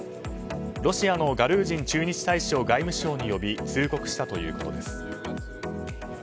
ロシアのガルージン駐日大使を外務省に呼び通告したということです。